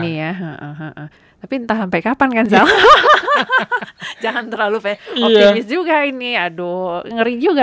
juga lah ya ini ya tapi entah sampai kapan kan zal jangan terlalu optimis juga ini aduh ngeri juga